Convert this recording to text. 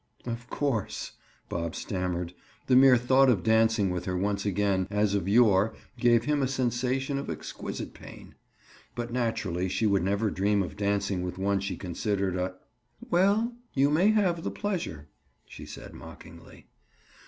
"Of course," Bob stammered. The mere thought of dancing with her once again as of yore gave him a sensation of exquisite pain. But naturally she would never dream of dancing with one she considered a—? "Well, you may have the pleasure," she said mockingly.